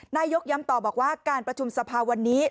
นายกย้ำต่อบอกว่าการประชุมสภาวันนี้